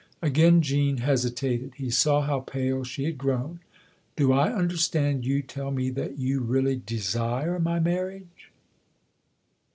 Again Jean hesitated : he saw how pale she had grown. "Do I understand you tell me that you really desire my marriage